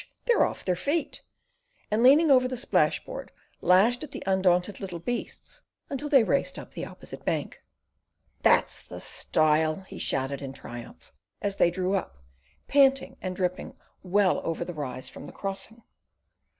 They're off their feet," and leaning over the splashboard, lashed at the undaunted little beasts until they raced up the opposite bank. "That's the style!" he shouted in triumph, as they drew up, panting and dripping well over the rise from the crossing.